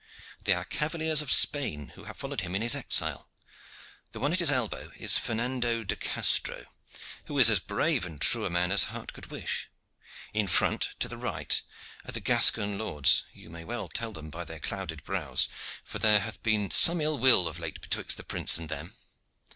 "They are cavaliers of Spain who have followed him in his exile. The one at his elbow is Fernando de Castro, who is as brave and true a man as heart could wish. In front to the right are the Gascon lords. You may well tell them by their clouded brows, for there hath been some ill will of late betwixt the prince and them.